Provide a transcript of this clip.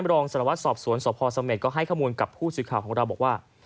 รองสารวัตรสอบสวนสพสเมษก็ให้ข้อมูลกับผู้สื่อข่าวของเราบอกว่า